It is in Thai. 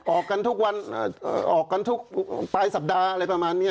ออกกันทุกวันออกกันทุกปลายสัปดาห์อะไรประมาณนี้